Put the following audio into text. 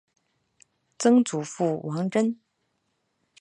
曾祖父王珍。